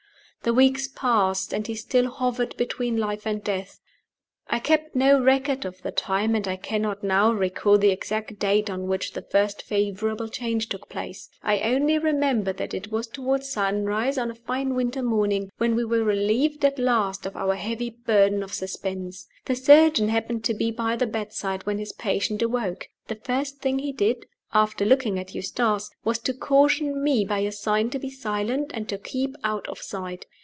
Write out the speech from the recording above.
The weeks passed; and he still hovered between life and death. I kept no record of the time, and I cannot now recall the exact date on which the first favorable change took place. I only remember that it was toward sunrise on a fine winter morning when we were relieved at last of our heavy burden of suspense. The surgeon happened to be by the bedside when his patient awoke. The first thing he did, after looking at Eustace, was to caution me by a sign to be silent and to keep out of sight.